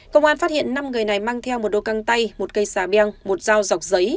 công an phát hiện năm người này mang theo một đôi căng tay một cây xà beng một dao dọc giấy